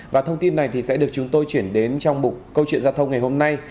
và thông tin này sẽ được chúng tôi chuyển đến trong một câu chuyện giao thông ngày hôm nay